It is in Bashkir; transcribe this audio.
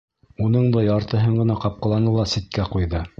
Уның да яртыһын ғына ҡапҡыланы ла ситкә ҡуйҙы.